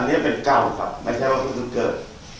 อันนี้เป็นเก่าครับไม่ใช่ว่าคุณรู้เกิด